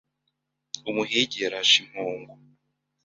Umuhigi yarashe impongo.